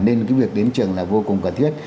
nên cái việc đến trường là vô cùng cần thiết